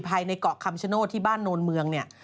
เกาะคำชโนธที่บ้านโนนเมืองเนี่ย